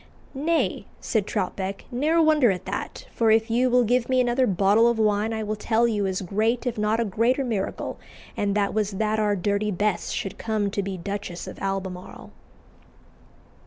"Nay," said Troutbeck, "ne'er wonder at that, for if you will give me another bottle of wine I will tell you as great if not a greater miracle, and that was that our Dirty Bess should come to be Duchess of Albemarle."